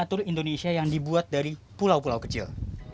ini adalah mobil indonesia yang dibuat dari pulau pulau kecil